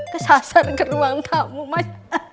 kesasar ke ruang tamu mas